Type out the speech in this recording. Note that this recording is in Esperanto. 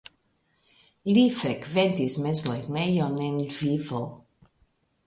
Li frekventis mezlernejon en Lvivo.